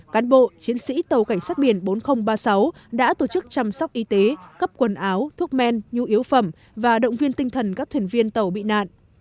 cán bộ chiến sĩ tàu cảnh sát biển bốn nghìn ba mươi sáu đã tổ chức chăm sóc y tế cấp quần áo thuốc men nhu yếu phẩm và động viên tinh thần các thuyền viên tàu bị nạn